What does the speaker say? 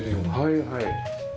はいはい。